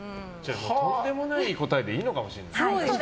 とんでもない答えでいいのかもしれない。